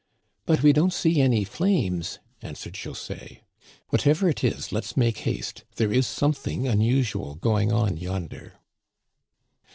But we don't see any flames," answered José. " Whatever it is let's make haste. There is something unusual going on yonder."